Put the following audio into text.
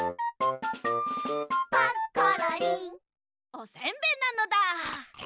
おせんべいなのだ！